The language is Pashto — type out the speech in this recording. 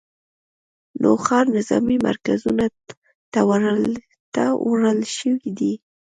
نوښار نظامي مرکزونو ته وړل شوي دي